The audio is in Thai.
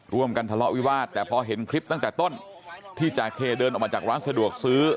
ทะเลาะวิวาสแต่พอเห็นคลิปตั้งแต่ต้นที่จาเคเดินออกมาจากร้านสะดวกซื้อ